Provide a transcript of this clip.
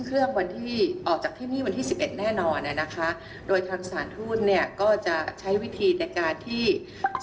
ก็จะต้องเรียกว่าที่แล้วก็จะใช้วิธีด้วยการที่แป๊บ